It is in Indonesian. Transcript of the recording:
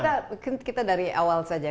oke mungkin kita dari awal saja